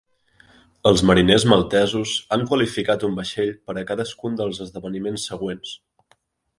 Els mariners maltesos han qualificat un vaixell per a cadascun dels esdeveniments següents.